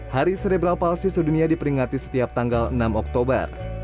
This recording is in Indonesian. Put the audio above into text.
hari serebral palsi sedunia diperingati setiap tanggal enam oktober